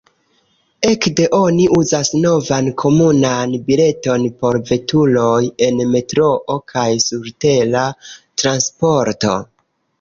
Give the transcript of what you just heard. Ekde oni uzas novan komunan bileton por veturoj en metroo kaj surtera transporto.